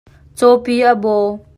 Cawpi a baw.